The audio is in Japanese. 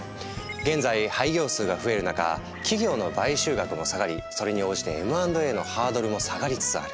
現在廃業数が増える中企業の買収額も下がりそれに応じてＭ＆Ａのハードルも下がりつつある。